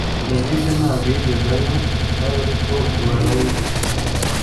David ntabwo yigeze anywa itabi ariko ubu aranywa